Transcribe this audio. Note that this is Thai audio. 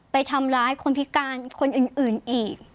ไปทำร้ายคนพิการคนอื่นอีก